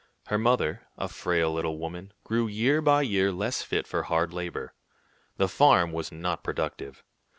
Her mother, a frail little woman, grew year by year less fit for hard labor. The farm was not productive.